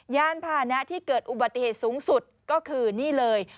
ยานพานะที่เกิดอุบัติเหตุสูงสุดก็คือนี่เลย